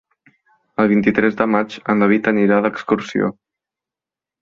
El vint-i-tres de maig en David anirà d'excursió.